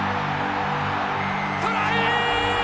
トライ！